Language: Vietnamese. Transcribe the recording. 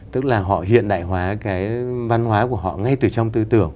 tức là họ hiện đại hóa cái văn hóa của họ ngay từ trong tư tưởng